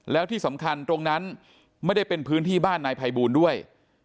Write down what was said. แล้วที่สำคัญตรงนั้นไม่ได้เป็นพื้นที่บ้านนายภัยบูลด้วย